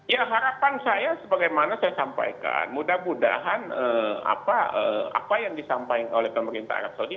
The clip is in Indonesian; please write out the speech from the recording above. ya harapan saya sebagaimana saya sampaikan mudah mudahan apa yang disampaikan oleh pemerintah arab saudi